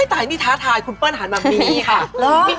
โอ้ยตายนี่ท้าทายคุณเปิ้ลหามามีค่ะ